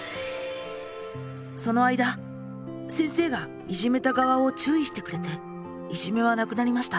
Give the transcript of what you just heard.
その間先生がイジメた側を注意してくれてイジメはなくなりました。